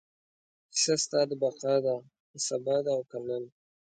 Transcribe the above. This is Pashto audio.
کیسه ستا د بقا ده، که سبا ده او که نن